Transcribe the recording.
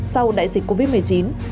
sau đại dịch covid một mươi chín